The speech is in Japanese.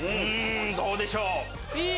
どうでしょう？